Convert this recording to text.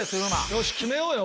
よし決めようよ